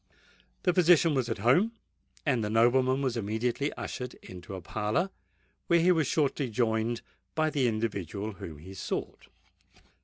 The physician was at home; and the nobleman was immediately ushered into a parlour, where he was shortly joined by the individual whom he sought.